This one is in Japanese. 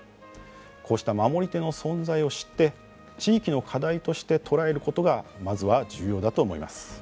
こうした守り手の存在を知って地域の課題として捉えることがまずは重要だと思います。